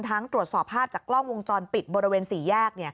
ตรวจสอบภาพจากกล้องวงจรปิดบริเวณ๔แยก